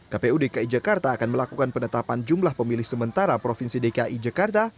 kpu dki jakarta akan melakukan penetapan jumlah pemilih sementara provinsi dki jakarta